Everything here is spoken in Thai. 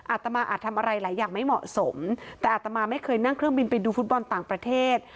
อาตมาอาจทำอะไรหลายอย่างไม่เหมาะสมแต่อาตมาไม่เคยนั่งเครื่องบินไปดูฟุตบอลต่างประเทศ